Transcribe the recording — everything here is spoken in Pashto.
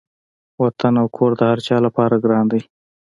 وطن او کور د هر چا لپاره ګران دی.